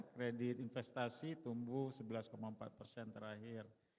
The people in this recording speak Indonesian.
kredit investasi tumbuh sebelas empat persen terakhir